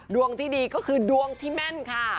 ดวงที่ดีก็คือดวงที่แม่นค่ะ